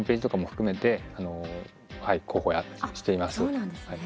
そうなんですね。